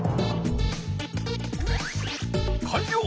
かんりょう！